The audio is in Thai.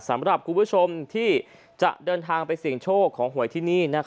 สำหรับคุณผู้ชมที่จะเดินทางไปเสี่ยงโชคของหวยที่นี่